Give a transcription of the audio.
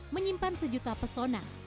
menyimpan sejuta pesona